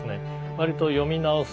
わりと読み直す